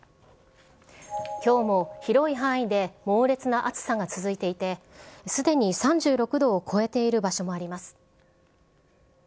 きょうも広い範囲で、猛烈な暑さが続いていて、すでに３６度を超えている場所もあります。